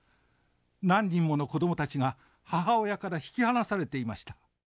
何人もの子どもたちが母親から引き離されていました。